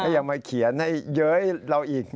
ยังมาเขียนให้เย้ยเราอีก